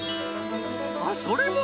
あっそれも！